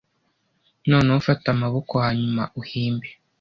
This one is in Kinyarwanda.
Noneho fata amaboko hanyuma uhimbe.